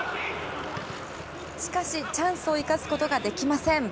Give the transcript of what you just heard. しかし、チャンスを生かすことができません。